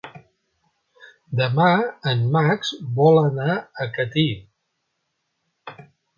Demà en Max vol anar a Catí.